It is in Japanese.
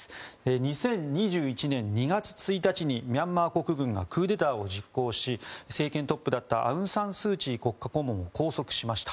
２０２１年２月１日にミャンマー国軍がクーデターを実行し政権トップだったアウン・サン・スー・チー国家顧問を拘束しました。